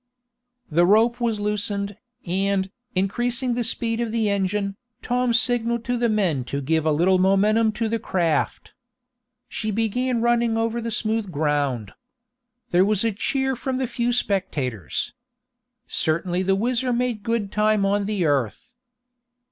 The rope was loosened, and, increasing the speed of the engine, Tom signalled to the men to give a little momentum to the craft. She began running over the smooth ground. There was a cheer from the few spectators. Certainly the WHIZZER made good time on the earth.